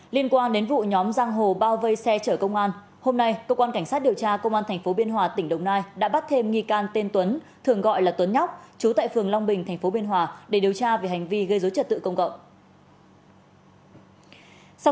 liên quan đến vụ nhóm giang hồ bao vây xe chở công an hôm nay cơ quan cảnh sát điều tra công an tp biên hòa tỉnh đồng nai đã bắt thêm nghi can tên tuấn thường gọi là tuấn nhóc chú tại phường long bình tp biên hòa để điều tra về hành vi gây dối trật tự công cộng